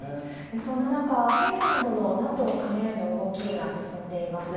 そんな中、フィンランドのＮＡＴＯ加盟への動きが進んでいます。